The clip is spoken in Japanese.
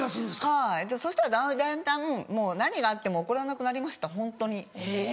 はいそしたらだんだんもう何があっても怒らなくなりましたホントに。